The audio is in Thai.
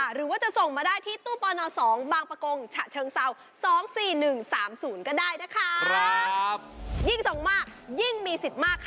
หรือว่าจะส่งมาได้ที่